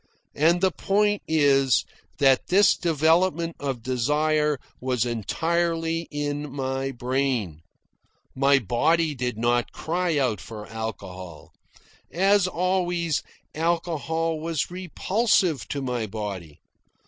And the point is that this development of desire was entirely in my brain. My body did not cry out for alcohol. As always, alcohol was repulsive to my body.